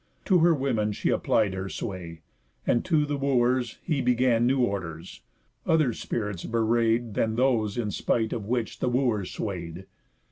To her women she Applied her sway; and to the wooers he Began new orders, other spirits bewray'd Than those in spite of which the wooers sway'd.